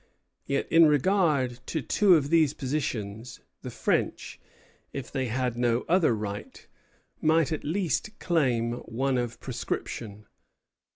Yet in regard to two of these positions, the French, if they had no other right, might at least claim one of prescription.